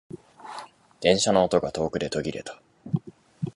電車の音が遠くで途切れた。